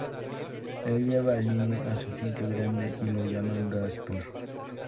Él lleva al niño a su finca grande y lo llama Gaspar.